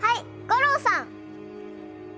吾郎さん。